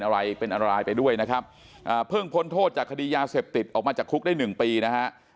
แล้วจากคดียาเสพติดออกมาจากคุกได้หนึ่งปีนะฮะ